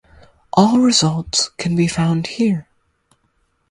All results can be found here.